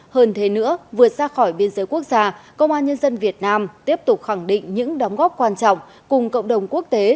hơn thế nữa vượt ra khỏi biên giới quốc gia công an nhân dân việt nam tiếp tục khẳng định những đóng góp quan trọng cùng cộng đồng quốc tế